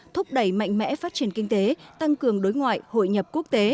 thúc đẩy mạnh mẽ phát triển kinh tế tăng cường đối ngoại hội nhập quốc tế